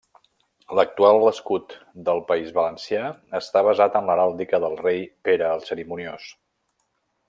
L'actual escut del País Valencià està basat en l'heràldica del rei Pere el Cerimoniós.